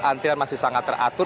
antrian masih sangat teratur